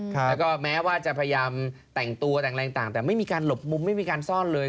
แล้วก็แม้ว่าจะพยายามแต่งตัวแต่งอะไรต่างแต่ไม่มีการหลบมุมไม่มีการซ่อนเลย